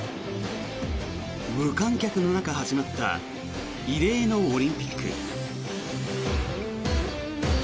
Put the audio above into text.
無観客の中始まった異例のオリンピック。